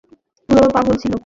পুরো পাগল ছিলো।